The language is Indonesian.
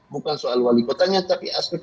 bukan soal wali kotanya tapi asli